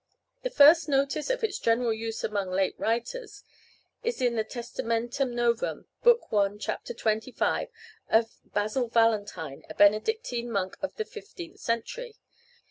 The first notice of its general use among late writers is in the "Testamentum Novum," lib. i. cap. 25, of Basil Valentine, a Benedictine monk of the fifteenth century.